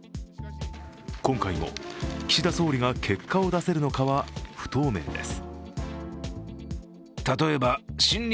今回も、岸田総理が結果を出せるのかは不透明です。